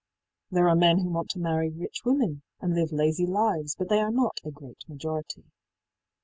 There are men who want to marry rich women, and live lazy lives, but they are not ëa great majority.